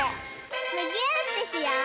むぎゅーってしよう！